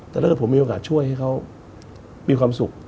แต่ถ้าเกิดผมมีโอกาสช่วยให้เขามีความสุข